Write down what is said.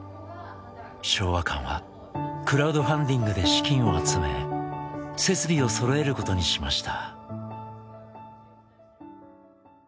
昭和館はクラウドファンディングで資金を集め設備をそろえることにしました。